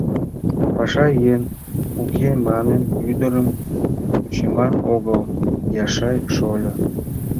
— Паша еҥ уке манын, ӱдырым кучыман огыл, Яшай шольо.